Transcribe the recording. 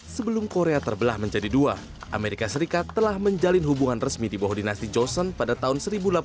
sebelum korea terbelah menjadi dua amerika serikat telah menjalin hubungan resmi di bawah dinasti joson pada tahun seribu delapan ratus delapan puluh